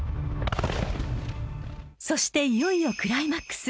そしていよいよクライマックス。